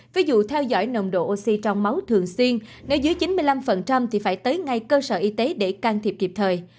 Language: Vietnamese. ví dụ theo dõi nồng độ oxy trong máu thường xuyên nếu dưới chín mươi năm thì phải tới ngay cơ sở y tế để can thiệp kịp thời